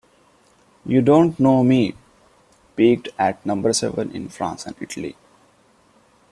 "U Don't Know Me" peaked at number seven in France and Italy.